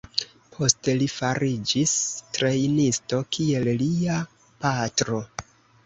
Poste li fariĝis trejnisto kiel lia patro.